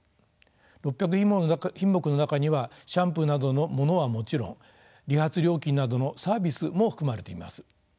６００品目の中にはシャンプーなどのものはもちろん理髪料金などのサービスも含まれています。